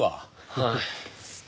はい。